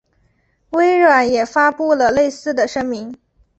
微软也发布了类似的声明。